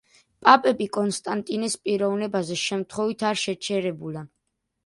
პაპები კონსტანტინეს პიროვნებაზე შემთხვევით არ შეჩერებულან.